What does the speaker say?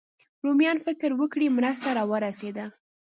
رومیان فکر وکړي مرسته راورسېده.